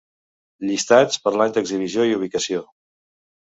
Llistats per l'any d'exhibició i ubicació.